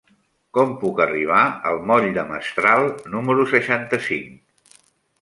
Com puc arribar al moll de Mestral número seixanta-cinc?